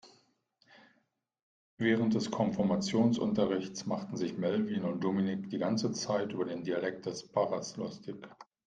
Während des Konfirmationsunterrichts machten sich Melvin und Dominik die ganze Zeit über den Dialekt des Pfarrers lustig.